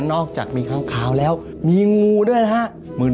นอกจากมีค้างคาวแล้วมีงูด้วยนะฮะ